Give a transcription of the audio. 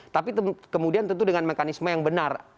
tapi kemudian tentu dengan mekanisme yang benar